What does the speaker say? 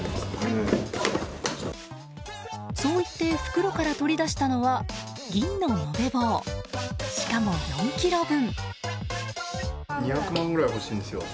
そう言って袋から取り出したのは銀の延べ棒、しかも４ｋｇ分。